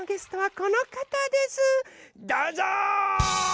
どうぞ！